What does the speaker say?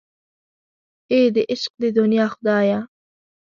اې د عشق د دنیا خدایه.